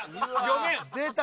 出た！